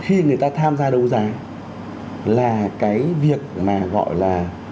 khi người ta tham gia đấu giá là cái việc mà gọi là